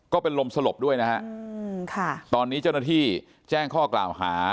ก็เป็นลมสลบด้วยนะฮะตอนนี้เจ้าหน้าที่แจ้งข้อกล่าวหา